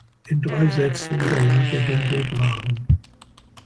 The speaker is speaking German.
In drei Sätzen unterlag er dem Bulgaren.